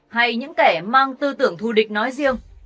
hay những kẻ mang tư tưởng thù địch nói riêng